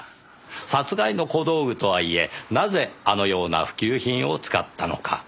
殺害の小道具とはいえなぜあのような普及品を使ったのか？